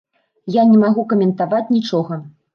Я не магу каментаваць нічога.